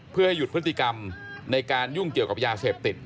เพื่อให้หยุดพฤติกรรมในการยุ่งเกี่ยวกับยาเสพติด